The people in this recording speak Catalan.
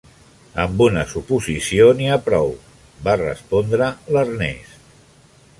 "Amb una suposició n'hi ha prou", va respondre l'Ernest.